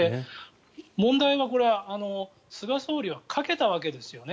問題は菅総理は賭けたわけですよね。